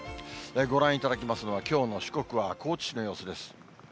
ご覧いただきますのは、きょうの四国は高知市の様子です。